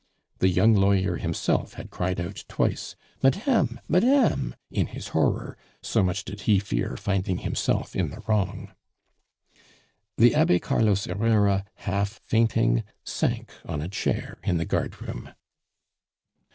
The young lawyer himself had cried out twice, "Madame! madame!" in his horror, so much did he fear finding himself in the wrong. The Abbe Carlos Herrera, half fainting, sank on a chair in the guardroom.